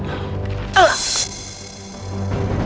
akulah yang kamu cari